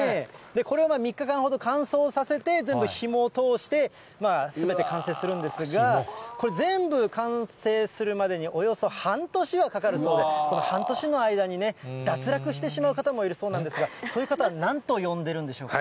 これを３日間ほど乾燥させて、全部ひもを通して、すべて完成するんですが、これ、全部完成するまでに、およそ半年はかかるそうで、この半年の間に脱落してしまう方もいるそうなんですが、そういう方はなんと呼んでるんでしょうか。